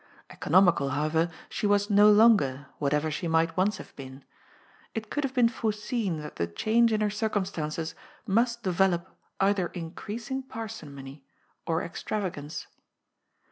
Economical, however, she was no longer, whatever she might once have been. It could have been foreseen that the change in her circumstances must develop either increasing parsimony or extravagance.